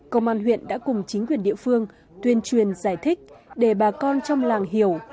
công an huyện đã cùng chính quyền địa phương tuyên truyền giải thích để bà con trong làng hiểu